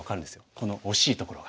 このおしいところが。